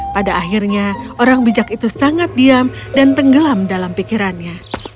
pada akhirnya orang bijak itu sangat diam dan tenggelam dalam pikirannya